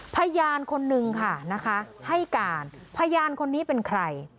พยานคนนึงค่ะนะคะให้การพยานคนนี้เป็นใคร